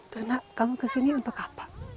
terus nak kamu ke sini untuk apa